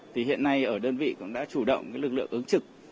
thì hiện nay ở đơn vị cũng đã chủ động lực lượng ứng trực